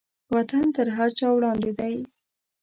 وطن تر هر چا وړاندې دی.